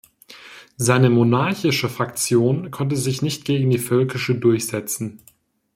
Seine monarchische Fraktion konnte sich nicht gegen die völkische durchsetzen.